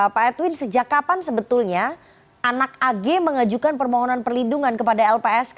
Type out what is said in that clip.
pak edwin sejak kapan sebetulnya anak ag mengajukan permohonan perlindungan kepada lpsk